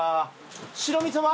白味噌は？